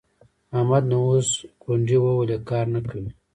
احمد نو اوس ګونډې ووهلې؛ کار نه کوي.